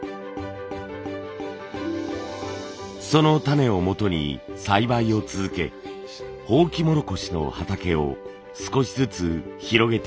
その種をもとに栽培を続けホウキモロコシの畑を少しずつ広げていきます。